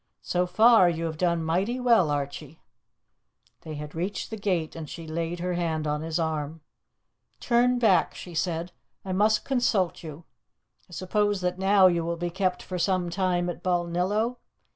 So far you have done mighty well, Archie." They had reached the gate, and she laid her hand on his arm. "Turn back," she said. "I must consult you. I suppose that now you will be kept for some time at Balnillo?